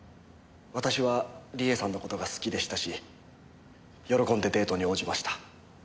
私は理恵さんの事が好きでしたし喜んでデートに応じました。